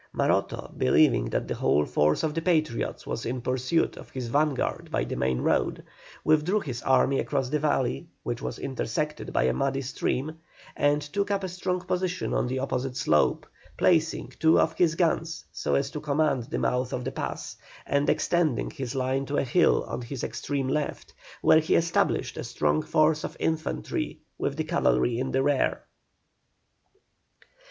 Maroto, believing that the whole force of the Patriots was in pursuit of his vanguard by the main road, withdrew his army across the valley, which was intersected by a muddy stream, and took up a strong position on the opposite slope, placing two of his guns so as to command the mouth of the pass, and extending his line to a hill on his extreme left, where he established a strong force of infantry, with the cavalry in the rear.